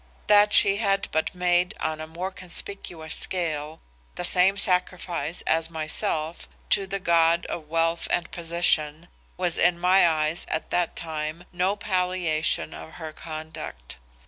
That she had but made on a more conspicuous scale, the same sacrifice as myself to the god of Wealth and Position, was in my eyes at that time, no palliation of her conduct.